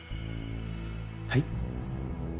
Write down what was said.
はい？